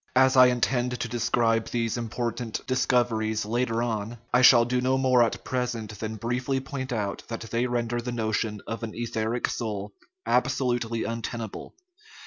As I intend to describe these important discoveries later on (in chap, xii.), I shall do no more at present than briefly point out that they ren der the notion of an * etheric soul " absolutely untena ble.